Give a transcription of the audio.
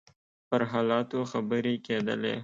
پر حالاتو خبرې کېدلې.